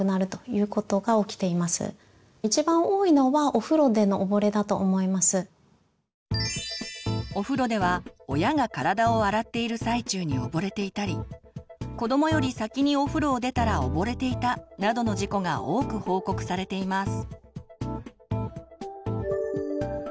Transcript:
おうちの中ではお風呂では親が体を洗っている最中に溺れていたり子どもより先にお風呂を出たら溺れていたなどの事故が多く報告されています。